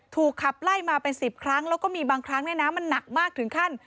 ขับไล่มาเป็น๑๐ครั้งแล้วก็มีบางครั้งเนี่ยนะมันหนักมากถึงขั้น